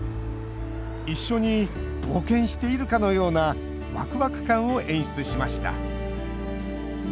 一緒に冒険しているかのようなワクワク感を演出しました。